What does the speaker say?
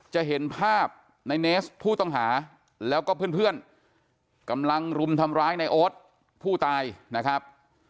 จะเห็นภาพในเนสผู้ต้องหาแล้วก็เพื่อนกำลังรุมทำร้ายในโอ๊ตผู้ตายนะครับ